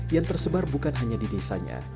yang tersebar bukan hanya di desanya